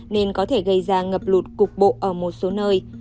nên có thể gây ra ngập lụt cục bộ ở một số nơi